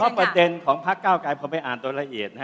เพราะประเทศของภาคเก้าไกรพรรดิอ่านตรงละเอียด